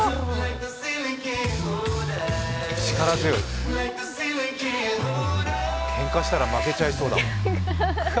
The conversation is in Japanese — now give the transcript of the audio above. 力強い、けんかしたら負けちゃいそうだもん。